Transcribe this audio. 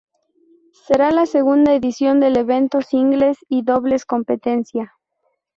Será la segunda edición del evento singles y dobles competencia.